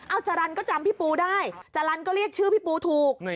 เอาจารันก็จำพี่ปูได้จารันก็เรียกชื่อพี่ปูถูก